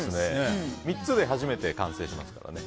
３つで初めて完成しますからね。